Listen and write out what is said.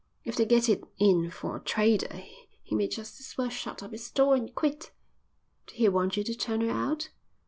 "If they get it in for a trader he may just as well shut up his store and quit." "Did he want you to turn her out?"